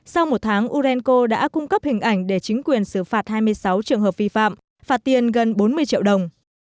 sau một tháng urenco đã cung cấp hình ảnh để chính quyền xử phạt hai mươi sáu trường hợp vi phạm phạt tiền gần bốn mươi triệu đồng